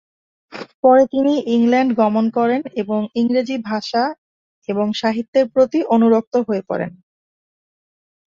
পরে তিনি ইংল্যান্ড গমন করেন এবং ইংরেজি ভাষা এবং সাহিত্যের প্রতি অনুরক্ত হয়ে পড়েন।